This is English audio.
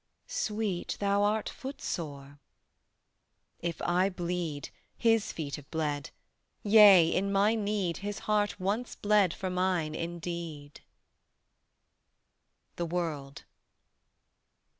"Sweet, thou art footsore." "If I bleed, His feet have bled: yea, in my need His Heart once bled for mine indeed." THE WORLD.